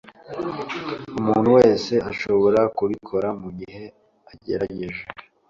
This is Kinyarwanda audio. Umuntu wese arashobora kubikora mugihe agerageje.